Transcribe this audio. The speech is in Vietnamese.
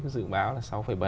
dự báo là sáu bảy bảy